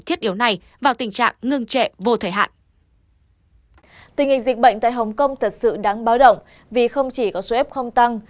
tình hình dịch bệnh tại hồng kông thật sự đáng báo động vì không chỉ có số f không tăng